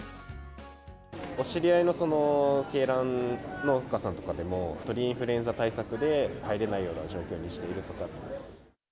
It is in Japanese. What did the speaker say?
お知り合いの鶏卵農家さんとかでも、鳥インフルエンザ対策で入れないような状況にしているとか。